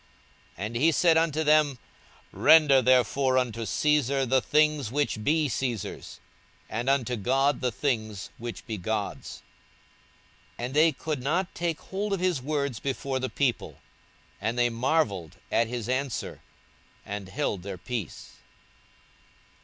42:020:025 And he said unto them, Render therefore unto Caesar the things which be Caesar's, and unto God the things which be God's. 42:020:026 And they could not take hold of his words before the people: and they marvelled at his answer, and held their peace.